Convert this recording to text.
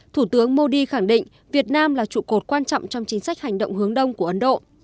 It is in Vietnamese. thủ tướng modi khẳng định việt nam là trụ cột quan trọng trong chính sách hành động hướng đông của ấn độ